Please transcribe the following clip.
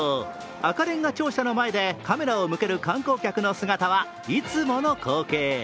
赤れんが庁舎の前でカメラを向ける観光客の姿はいつもの光景。